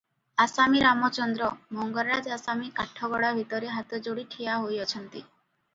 ଆସାମୀ ରାମଚନ୍ଦ୍ର ମଙ୍ଗରାଜ ଆସାମୀ କାଠଗଡ଼ା ଭିତରେ ହାତ ଯୋଡ଼ି ଠିଆ ହୋଇଅଛନ୍ତି ।